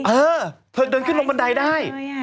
เออเธอเดินขึ้นลงบันไดได้